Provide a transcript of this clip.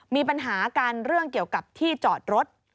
มีปัญหากันเรื่องเกี่ยวกับที่จอดรถ